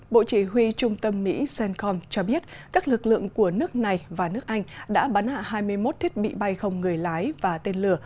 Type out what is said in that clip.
bộ chỉ huy trung tâm mỹ cencom cho biết các lực lượng của nước này và nước anh đã bắn hạ hai mươi một thiết bị bay không người lái và tên lửa